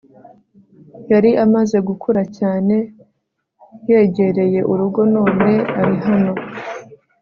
yari amaze gukura cyane yegereye urugo none yari hano